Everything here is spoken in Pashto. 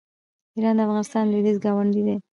ایران د افغانستان لویدیځ ګاونډی دی.